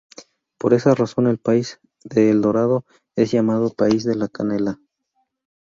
Por esa razón el país de El Dorado es llamado País de la Canela.